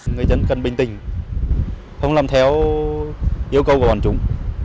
người dân cần bình tĩnh không làm theo yêu cầu của bọn chúng